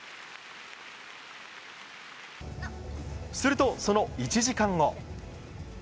するとその１時間後。